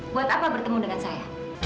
buat apa bertemu dengan saya